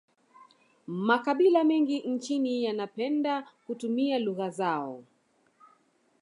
makabila mengi nchini yanapende kutumia lugha zao